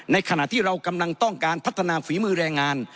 ขณะที่เรากำลังต้องการพัฒนาฝีมือแรงงาน